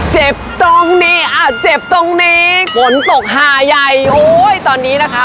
เจ็บตรงนี้อ่ะเจ็บตรงนี้ฝนตกหาใหญ่โอ้ยตอนนี้นะคะ